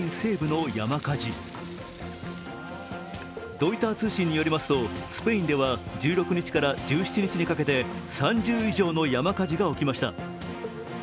ロイター通信によりますと、スペインでは１６日から１７日にかけて３０以上の山火事が起きました。